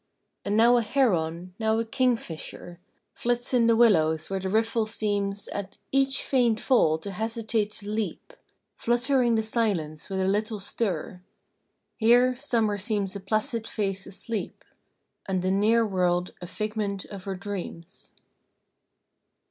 And now a heron, now a kingfisher, Flits in the willows where the riffle seems At each faint fall to hesitate to leap, Fluttering the silence with a little stir. Here Summer seems a placid face asleep, And the near world a figment of her dreams.